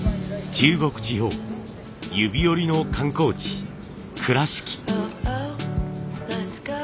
中国地方指折りの観光地倉敷。